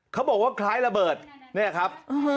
เขาบอกว่าคล้ายระเบิดนี่แหละครับ